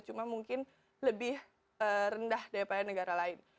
cuma mungkin lebih rendah daripada negara lain